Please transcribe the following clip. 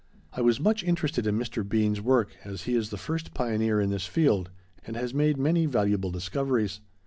I was much interested in Mr. Bean's work, as he is the first pioneer in this field and has made many valuable discoveries.